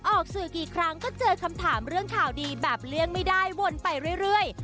ออกสื่อกี่ครั้งก็เจอคำถามเรื่องข่าวดีแบบเลี่ยงไม่ได้วนไปเรื่อย